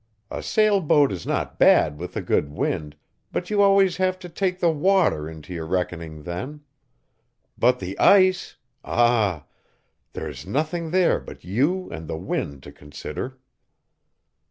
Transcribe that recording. A sailboat is not bad with a good wind, but you always have to take the water into your reckoning then. But the ice ah! There is nothing there but you and the wind to consider!"